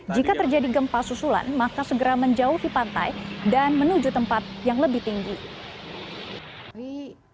jika terjadi gempa susulan maka segera menjauhi pantai dan menuju tempat yang lebih tinggi